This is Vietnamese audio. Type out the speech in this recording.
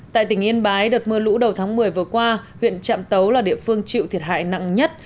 tại tỉnh yên bái đợt mưa lũ đầu tháng một mươi vừa qua huyện trạm tấu là địa phương chịu thiệt hại nặng nhất